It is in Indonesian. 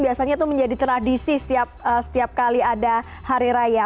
biasanya itu menjadi tradisi setiap kali ada hari raya